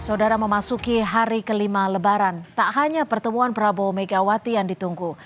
saudara memasuki hari kelima lebaran tak hanya pertemuan prabowo megawati yang ditunggu